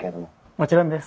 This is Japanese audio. もちろんです。